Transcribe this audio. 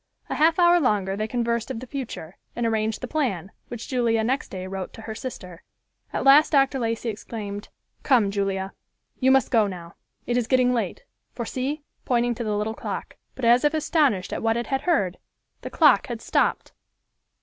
A half hour longer they conversed of the future, and arranged the plan, which Julia next day wrote to her sister. At last Dr. Lacey exclaimed, "Come, Julia, you must go now; it is getting late, for see,"—pointing to the little clock; but as if astonished at what it had heard, the clock had stopped!